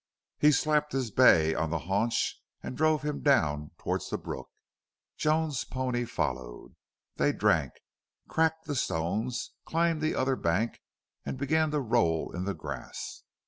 He slapped his bay on the haunch and drove him down toward the brook. Joan's pony followed. They drank, cracked the stones, climbed the other bank, and began to roll in the grass.